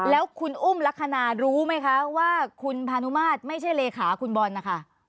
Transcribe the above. แล้วคุณอุ้มลักษณะรู้ไหมคะว่าคุณพานุมาตรไม่ใช่เลขาคุณบอลนะคะ